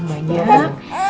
makan makan yang sehat